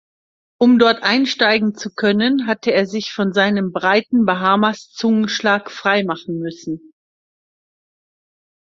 Um dort einsteigen zu können, hatte er sich von seinem breiten Bahamas-Zungenschlag freimachen müssen.